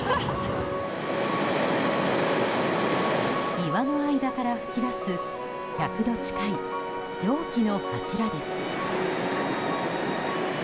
岩の間から噴き出す１００度近い蒸気の柱です。